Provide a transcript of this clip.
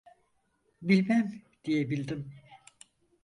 "Bilmem!" diyebildim.